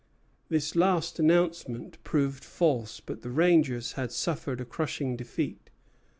This last announcement proved false; but the rangers had suffered a crushing defeat.